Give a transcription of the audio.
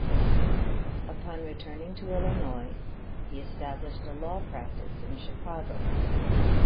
Upon returning to Illinois, he established a law practice in Chicago.